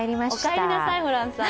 おかえりなさい、ホランさん。